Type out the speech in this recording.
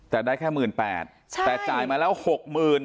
แต่ได้แค่หมื่นแปดใช่แต่จ่ายมาแล้วหกหมื่น